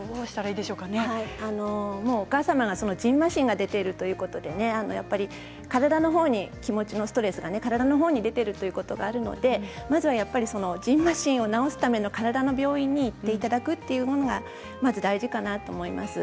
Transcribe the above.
お母様が、じんましんが出ているということでやっぱり体のほうに気持ちのストレスが出ているということがあるのでまずは、じんましんを治すために体の病院に行っていただくのがまず大事かなと思います。